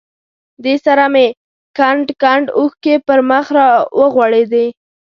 دې سره مې کنډ کنډ اوښکې پر مخ را ورغړېدې.